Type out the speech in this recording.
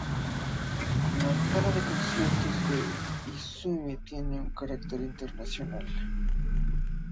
La sala de conciertos de Izumi tiene un carácter internacional.